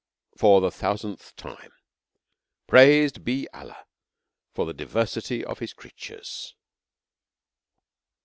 For the thousandth time: Praised be Allah for the diversity of His creatures!